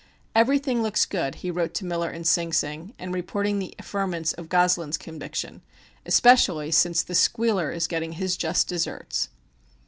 "Everything looks good," he wrote to Miller in Sing Sing, in reporting the affirmance of Goslin's conviction, "especially since the squealer is getting his just deserts."